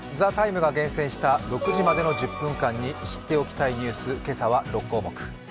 「ＴＨＥＴＩＭＥ，」が厳選した６時までの１０分間に知っておきたいニュース、今朝は６項目。